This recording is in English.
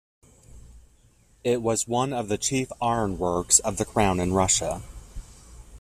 It was one of the chief ironworks of the crown in Russia.